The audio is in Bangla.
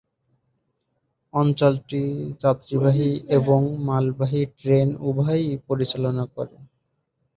অঞ্চলটি যাত্রীবাহী এবং মালবাহী ট্রেন উভয়ই পরিচালনা করে।